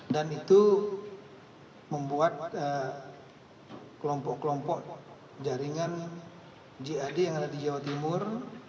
dan itu membuat kelompok kelompok jaringan jad yang ada di jawa timur